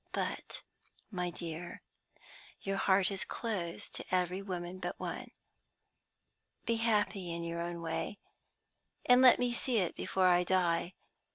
But, my dear, your heart is closed to every woman but one. Be happy in your own way, and let me see it before I die.